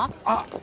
あっ！